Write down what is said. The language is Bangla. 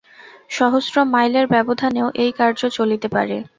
সহস্র মাইলের ব্যবধানেও এই কার্য চলিতে পারে।